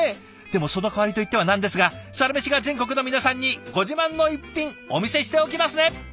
でもその代わりといってはなんですが「サラメシ」が全国の皆さんにご自慢の一品お見せしておきますね。